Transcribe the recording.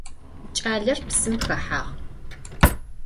Ç'aler psım xehağ.